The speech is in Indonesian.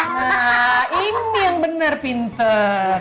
nah ini yang bener pintar